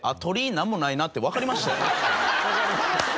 なんもないなってわかりましたよ。